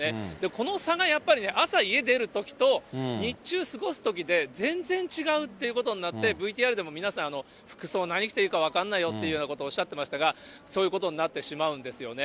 この差がやっぱり朝家出るときと、日中過ごすときで、全然違うっていうことになって、ＶＴＲでも皆さん、服装何着ていいか分かんないよっておっしゃってましたが、そういうことになってしまうんですよね。